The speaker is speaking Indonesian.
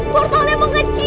portalnya mau kecil